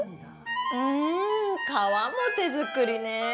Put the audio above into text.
うん皮も手作りね。